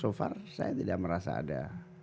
so far saya tidak merasa ada